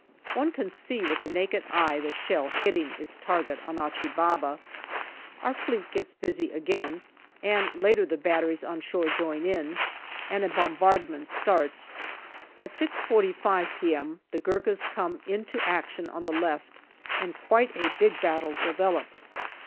One can see with the naked eye the shell hitting its target on Achi Baba. Our Fleet gets busy again, and later the batteries on shore join in, and a bom bardment starts. At 6.45 p.m. the Gurkhas come into action on the left, and quite a big battle develops.